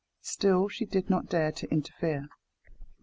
Still she did not dare to interfere.